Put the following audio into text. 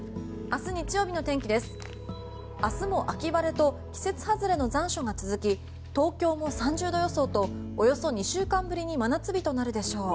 明日も秋晴れと季節外れの残暑が続き東京も３０度予想とおよそ２週間ぶりに真夏日となるでしょう。